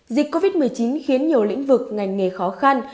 dịch covid một mươi chín khiến nhiều lĩnh vực ngành nghề khó khăn